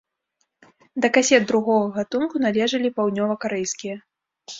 Да касет другога гатунку належалі паўднёвакарэйскія.